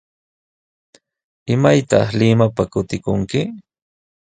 ¿Imaytaq Limapa kutikunki?